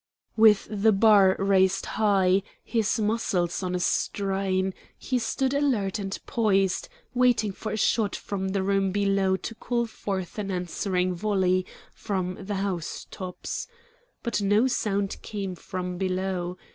With the bar raised high, his muscles on a strain, he stood alert and poised, waiting for a shot from the room below to call forth an answering volley from the house tops. But no sound came from below.